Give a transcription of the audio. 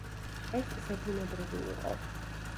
ეს ზებუნებრივი იყო.